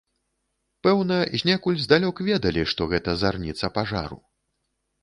Пэўна, знекуль здалёк ведалі, што гэта зарніца пажару.